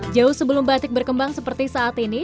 jauh sebelum batik berkembang seperti saat ini